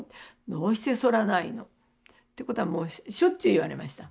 どうして剃らないの？」ってことはもうしょっちゅう言われました。